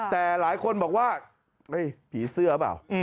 แต่หลายคนบอกว่าผีเสื้อเปล่า